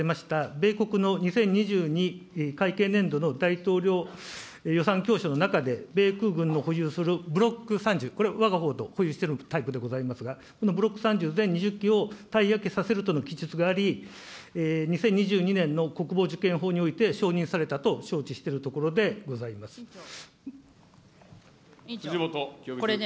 米国の２０２２会計年度の大統領予算教書の中で、米空軍の保有するブロック３０、これ、わがほうと保有しているタイプでございますが、このブロック３０全２０機を退役させるとの記述があり、２０２２年の国防実験法において承認されたと承知しているところ辻元清美さん。